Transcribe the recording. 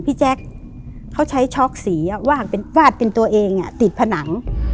แจ๊คเขาใช้ช็อกสีวาดเป็นตัวเองติดผนัง